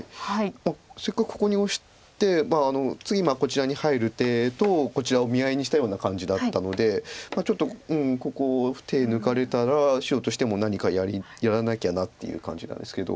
まあせっかくここにオシて次こちらに入る手とこちらを見合いにしたような感じだったのでちょっとここ手抜かれたら白としても何かやらなきゃなっていう感じなんですけど。